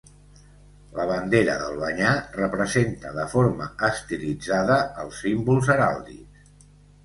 La bandera d'Albanyà representa de forma estilitzada els símbols heràldics.